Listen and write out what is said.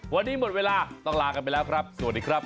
วันนี้หมดเวลาต้องลากันไปแล้วครับสวัสดีครับ